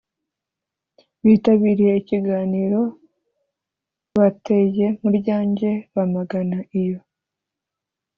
bitabiriye ikiganiro bateye mu ryanjye bamagana iyo